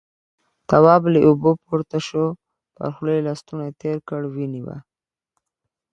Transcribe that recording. تواب له اوبو پورته شو، پر خوله يې لستوڼی تېر کړ، وينې وه.